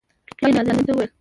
پلار يې نازنين ته وويل